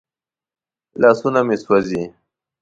لاسونه مې سوځي.